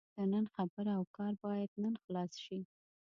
د نن خبره او کار باید نن خلاص شي.